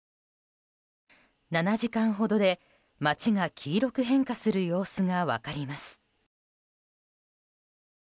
７時間ほどで、街が黄色く変化する様子が分かります。